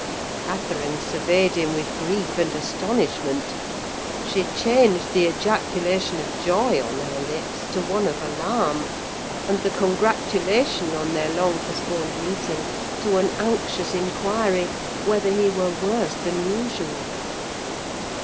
Catherine surveyed him with grief and astonishment: she changed the ejaculation of joy on her lips to one of alarm; and the congratulation on their long postponed meeting to an anxious inquiry, whether he were worse than usual?